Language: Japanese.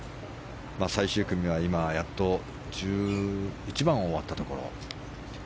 最終組は今、やっと１１番を終わったところ。